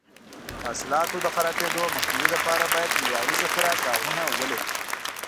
د حاصلاتو د خرابېدو مخنیوي لپاره باید معیاري ذخیره ګاهونه ولري.